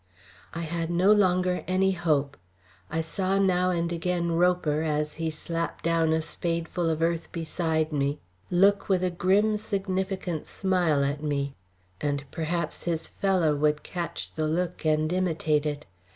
I had no longer any hope. I saw now and again Roper, as he slapped down a spadeful of earth beside me, look with a grim significant smile at me, and perhaps his fellow would catch the look and imitate it.